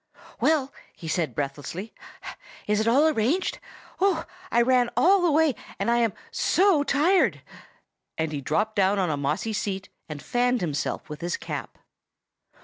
"Well," he said breathlessly, "is it all arranged? Oh! I ran all the way, and I am so tired!" and he dropped down on a mossy seat, and fanned himself with his cap.